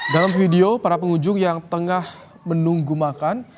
dalam video para pengunjung yang tengah menunggu makan